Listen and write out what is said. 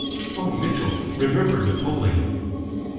"Oh, Mitchell! Remember Napoleon!"